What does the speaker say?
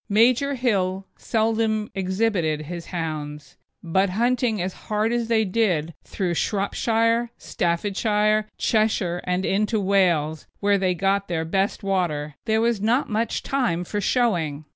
Major Hill seldom exhibited his hounds. They were seen now and then at Birmingham; but, hunting as hard as they did through Shropshire, Staffordshire, Cheshire, and into Wales, where they got their best water, there was not much time for showing.